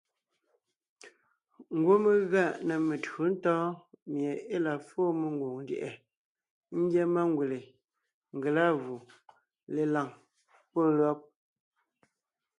Ngwɔ́ mé gʉa na metÿǒ ntɔ̌ɔn mie e la fóo mengwòŋ ndyɛ̀ʼɛ ngyɛ́ mangwèle, ngelâvù, lelàŋ pɔ́ lÿɔ́b.